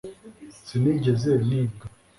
Sinigeze nibwa